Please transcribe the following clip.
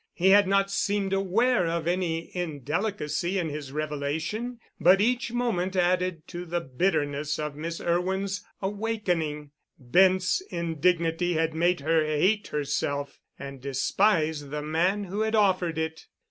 He had not seemed aware of any indelicacy in his revelation, but each moment added to the bitterness of Miss Irwin's awakening. Bent's indignity had made her hate herself and despise the man who had offered it.